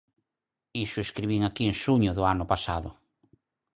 Iso escribín aquí en xuño do ano pasado.